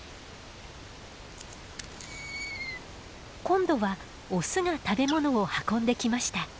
今度はオスが食べ物を運んできました。